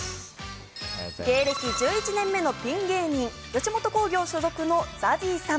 芸歴１１年目のピン芸人、吉本興業所属のＺＡＺＹさん。